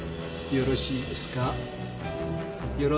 よろしいですか？